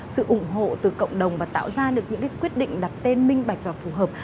sự ủng hộ từ cộng đồng và tạo ra được những quyết định đặt tên minh bạch và phù hợp